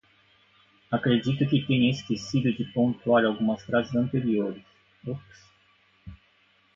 Acredito que tenha esquecido de pontuar algumas frases anteriores... Ops!